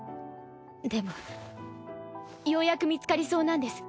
でもようやく見つかりそうなんです。